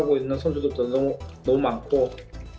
mereka adalah tim yang paling bagus